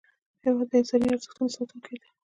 هېواد د انساني ارزښتونو ساتونکی دی.